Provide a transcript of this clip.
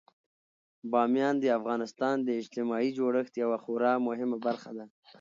بامیان د افغانستان د اجتماعي جوړښت یوه خورا مهمه برخه ده.